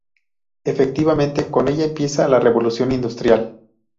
Efectivamente, con ella empieza la revolución industrial.